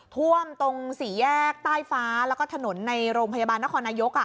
ท่วมตรงสี่แยกใต้ฟ้าแล้วก็ถนนในโรงพยาบาลนครนายก